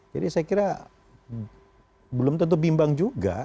jadi saya kira belum tentu bimbang juga